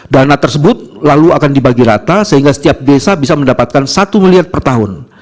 dana tersebut lalu akan dibagi rata sehingga setiap desa bisa mendapatkan satu miliar per tahun